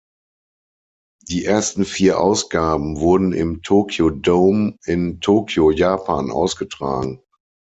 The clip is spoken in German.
Die ersten vier Ausgaben wurden im Tokyo Dome in Tokio, Japan ausgetragen.